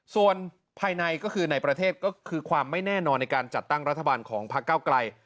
ส่วนภายในก็คือในประเทศก็คือความไม่แน่นอนในการจัดตั้งรัฐบาลของพักเก้าไกล